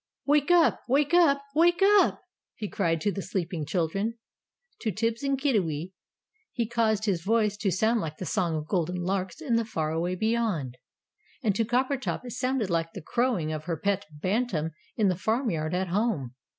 "Wake up! Wake up!! WAKE UP!!!" He cried to the sleeping children. To Tibbs and Kiddiwee he caused his voice to sound like the song of golden larks in the Far away beyond. And to Coppertop it sounded like the crowing of her pet bantam in the farmyard at home.